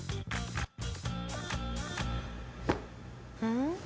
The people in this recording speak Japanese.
ん？